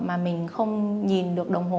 mà mình không nhìn được đồng hồ